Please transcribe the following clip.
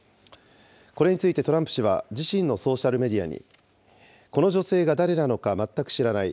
これについてトランプ氏は自身のソーシャルメディアに、この女性誰なのか、全く知らない。